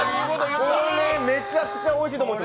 これめちゃくちゃおいしいと思います。